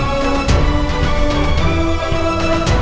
oma kenapa oma